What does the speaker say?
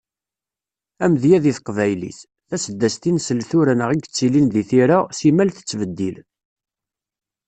Amedya di teqbaylit: Taseddast i nsell tura neɣ i yettilin di tira, simmal tettbeddil.